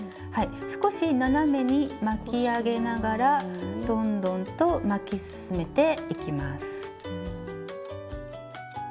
少し斜めに巻き上げながらどんどんと巻き進めていきます。